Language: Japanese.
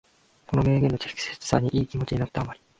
この名言の適切さにいい気持ちになった余り、